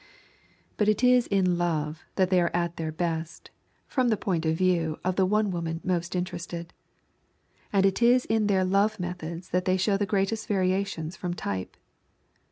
But it is in love that they are at their best, from the point of view of the one woman most interested. And it is in their love methods that they show the greatest variations from type.